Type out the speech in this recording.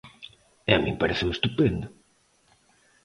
E a min paréceme estupendo.